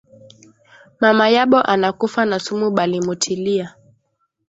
Mama yabo anakufa na sumu bali mutilia